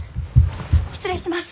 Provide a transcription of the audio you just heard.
失礼します。